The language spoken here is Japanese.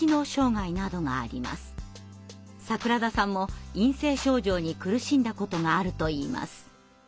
櫻田さんも陰性症状に苦しんだことがあるといいます。